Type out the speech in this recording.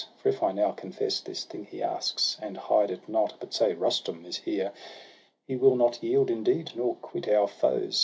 For if I now confess this thing he asks. And hide it not, but say: Rusticm is here! He will not yield indeed, nor quit our foes.